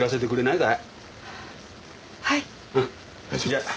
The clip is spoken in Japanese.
じゃあ。